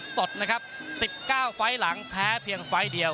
สดนะครับ๑๙ไฟล์หลังแพ้เพียงไฟล์เดียว